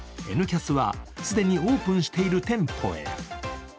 「Ｎキャス」は既にオープンしている店舗へ。